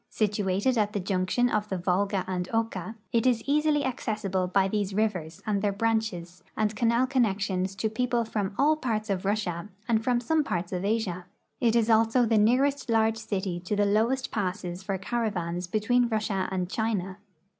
Situated at the junction of the Volga and Oka, it is easily accessible by these rivers and their branches and canal connections to people from all parts of Russia and from some parts of Asia. It is also the nearest large city to the lowest passes for caraA^ans between Russia and China.